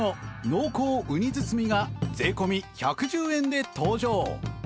濃厚うに包みが税込１１０円で登場！」